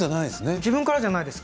自分からじゃないですね。